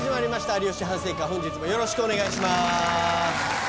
『有吉反省会』本日もよろしくお願いします。